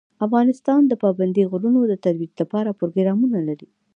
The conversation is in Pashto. افغانستان د پابندي غرونو د ترویج لپاره پروګرامونه لري.